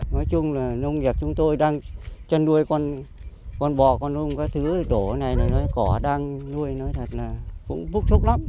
nói chung là nông nghiệp chúng tôi đang chân nuôi con bò con nông cái thứ đổ này cỏ đang nuôi nói thật là cũng phúc trúc lắm